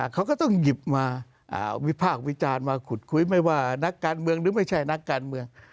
เขาก็ต้องหยิบมาวิพากษ์วิจารณ์มาขุดคุยไม่ว่านักการเมืองหรือไม่ใช่นักการเมือง